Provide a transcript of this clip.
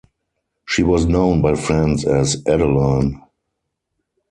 She was known by friends as "Adeline".